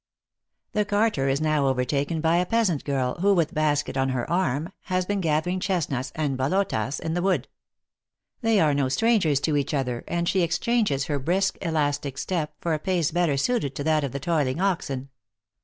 The carter is now overtaken by a peasant girl, who, with basket on her arm, has been gathering chesnuts and bolotas in the wood. They are no strangers to each other, and she exchanges her brisk, elastic step, for a pace better suited to that of the toiling oxen.